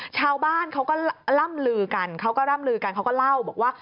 ชาวบ้านเขาก็ล่ำลือกันเขาก็เล่าบอกว่า